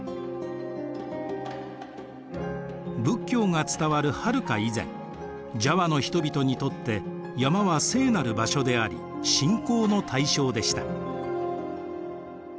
仏教が伝わるはるか以前ジャワの人々にとって山は聖なる場所であり信仰の対象でした。